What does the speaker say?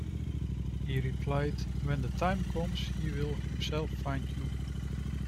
He replied: 'When the time comes, he will himself find you.